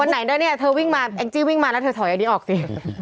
วันไหนเนี่ยแอ๊งจิ้ววิ่งมาแล้วเธอถอยอันนี้ออกสิ